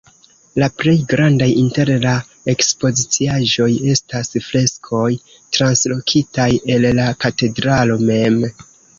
La plej grandaj inter la ekspoziciaĵoj estas freskoj, translokitaj el la katedralo mem.